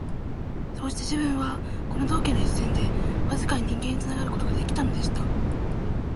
そうして自分は、この道化の一線でわずかに人間につながる事が出来たのでした